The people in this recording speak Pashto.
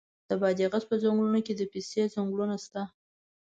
د بادغیس په څنګلونو کې د پستې ځنګلونه شته دي.